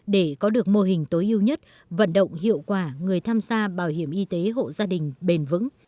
để có được mô hình tối ưu nhất vận động hiệu quả người tham gia bảo hiểm y tế hộ gia đình bền vững